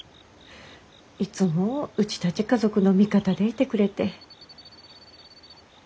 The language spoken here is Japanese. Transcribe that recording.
いつもうちたち家族の味方でいてくれて。